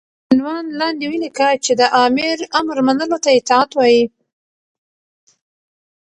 تر عنوان لاندې وليكه چې دآمر امر منلو ته اطاعت وايي